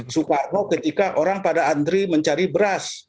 soekarno ketika orang pada antri mencari beras